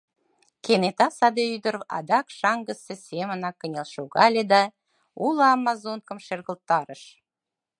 Кенета саде ӱдыр адак шаҥгысе семынак кынел шогале да уло Амазонкым шергылтарыш: